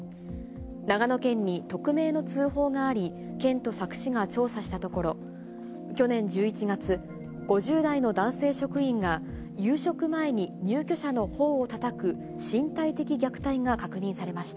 長野県に匿名の通報があり、県と佐久市が調査したところ、去年１１月、５０代の男性職員が、夕食前に、入居者のほおをたたく身体的虐待が確認されました。